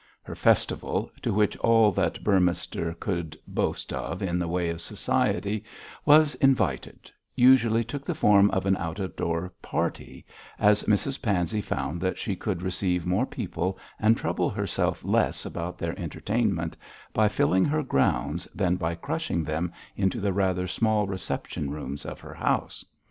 Her festival, to which all that Beorminster could boast of in the way of society was invited, usually took the form of an out of door party, as Mrs Pansey found that she could receive more people, and trouble herself less about their entertainment, by filling her grounds than by crushing them into the rather small reception rooms of her house.